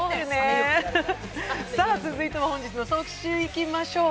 続いては本日の特集、いきましょう。